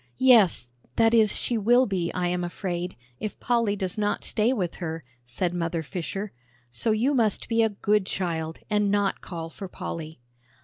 "Yes, that is, she will be, I am afraid, if Polly does not stay with her," said Mother Fisher; "so you must be a good child, and not call for Polly."